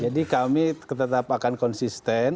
jadi kami tetap akan konsisten